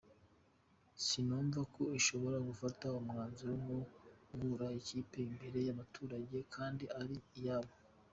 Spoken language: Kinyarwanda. Sinumva ko ishobora gufata umwanzuro wo gukura ikipe imbere y’abaturage kandi ari iyabo.